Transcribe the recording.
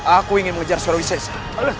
aku ingin mengejar surawisasa